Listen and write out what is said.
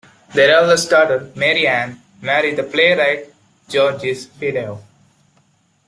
Their eldest daughter, Marie-Anne, married the playwright Georges Feydeau.